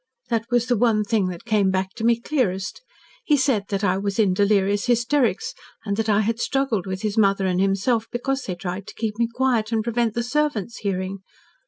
That was the one thing that came back to me clearest. He said that I was in delirious hysterics, and that I had struggled with his mother and himself, because they tried to keep me quiet, and prevent the servants hearing.